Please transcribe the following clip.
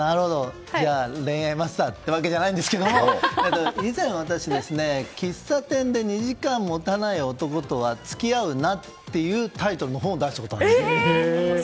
じゃあ、恋愛マスターってわけじゃないんですけど以前、私、「喫茶店で２時間もたない男とは付き合うな」っていうタイトルの本を出したことがあるんです。